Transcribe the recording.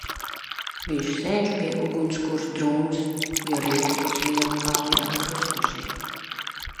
Viņš sēž pie ugunskurs drūms, jo rītu būs liela kauja ar krustnešiem.